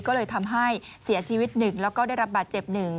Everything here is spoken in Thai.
ก็เลยทำให้เสียชีวิต๑แล้วก็ได้รับบาดเจ็บ๑